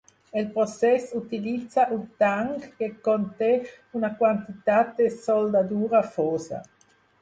El procés utilitza un tanc que conté una quantitat de soldadura fosa.